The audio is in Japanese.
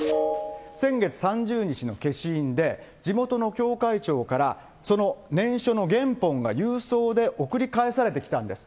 先月３０日の消印で地元の教会長から、その念書の原本が郵送で送り返されてきたんです。